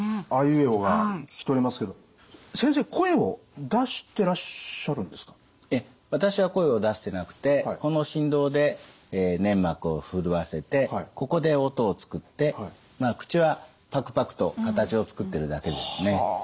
いえ私は声を出してなくてこの振動で粘膜を震わせてここで音を作って口はパクパクと形を作ってるだけですね。